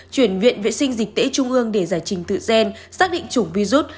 chuyển viện vệ sinh dịch tễ trung ương để giải trình tự gen xác định chủng virus